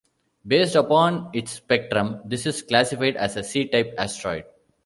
Based upon its spectrum, this is classified as a C-type asteroid.